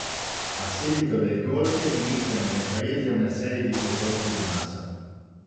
A seguito del golpe iniziano nel Paese una serie di proteste di massa.